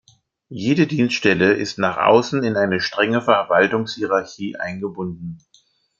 Jede Dienststelle ist nach außen in eine strenge Verwaltungshierarchie eingebunden.